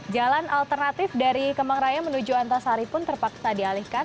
jalan alternatif dari kemang raya menuju antasari pun terpaksa dialihkan